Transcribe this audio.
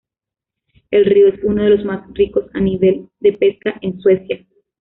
El río es uno de los más ricos a nivel de pesca en Suecia.